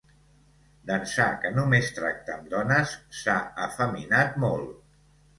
D'ençà que només tracta amb dones, s'ha efeminat molt!